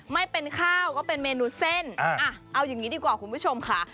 ไม่เป็นข้าวก็เป็นเมนูเส้นเอาอย่างนี้ดีกว่าคุณผู้ชมค่ะ